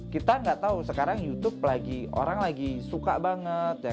kita nggak tahu sekarang youtube orang lagi suka banget ya